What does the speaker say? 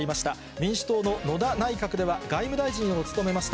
民主党の野田内閣では、外務大臣を務めました。